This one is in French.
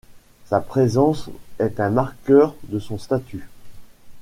Sa présence est un marqueur de son statut.